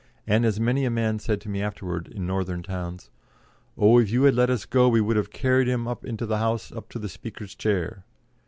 and, as many a man said to me afterwards in northern towns, "Oh! if you had let us go we would have carried him into the House up to the Speaker's chair."